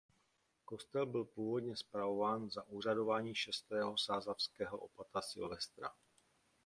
Kostel byl původně spravován za úřadování šestého sázavského opata Silvestra.